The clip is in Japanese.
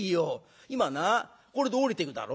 今なこれで下りていくだろう？